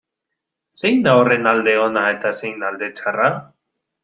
Zein da horren alde ona eta zein alde txarra?